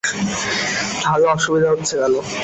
তা হলে অসুবিধা হচ্ছে কেন?